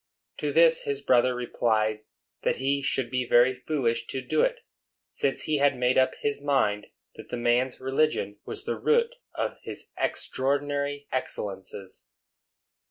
To this his brother replied that he should be very foolish to do it, since he had made up his mind that the man's religion was the root of his extraordinary excellences.